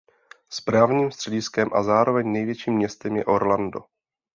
Správním střediskem a zároveň největším městem je Orlando.